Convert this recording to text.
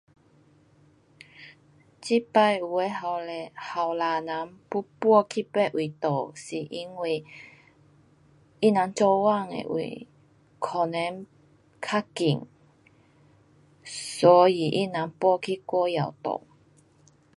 这次有的年轻，年轻人要搬去别位住是因为他人做工的位可能较近，所以他人搬去那向住。